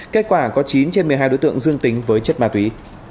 kết quả có chín trên một mươi hai đối tượng dương tính với chất ma túy